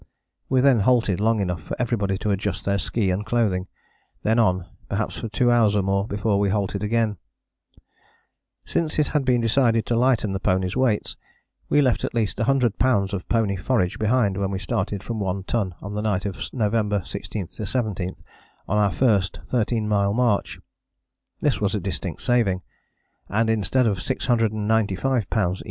We then halted long enough for everybody to adjust their ski and clothing: then on, perhaps for two hours or more, before we halted again. Since it had been decided to lighten the ponies' weights, we left at least 100 lbs. of pony forage behind when we started from One Ton on the night of November 16 17 on our first 13 mile march. This was a distinct saving, and instead of 695 lbs.